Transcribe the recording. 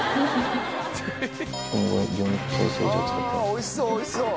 おいしそうおいしそう。